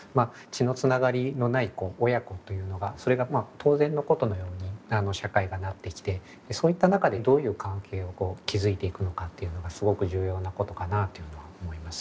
血のつながりのない子親子というのがそれが当然のことのように社会がなってきてそういった中でどういう関係を築いていくのかっていうのがすごく重要なことかなというのは思いますよね。